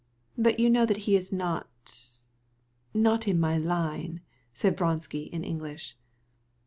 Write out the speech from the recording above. But you know that's not ... not in my line," said Vronsky in English.